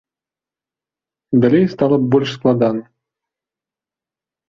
Далей стала больш складана.